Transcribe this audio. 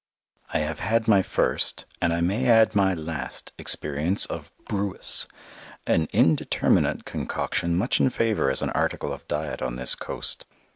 I have had my first, and I may add my last, experience of "brewis," an indeterminate concoction much in favour as an article of diet on this coast.